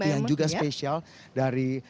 yang juga spesial dari